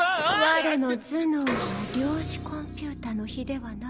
われの頭脳は量子コンピュータの比ではないぞ。